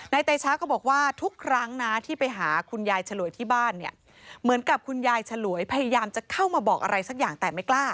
เตชะก็บอกว่าทุกครั้งนะที่ไปหาคุณยายฉลวยที่บ้านเนี่ยเหมือนกับคุณยายฉลวยพยายามจะเข้ามาบอกอะไรสักอย่างแต่ไม่กล้า